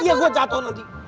iya gue jatoh nanti